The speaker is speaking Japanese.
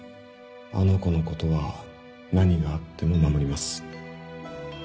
あの子のことは何があっても守ります